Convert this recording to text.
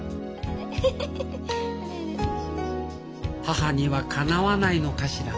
母にはかなわないのかしら？